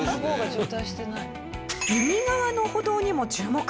右側の歩道にも注目。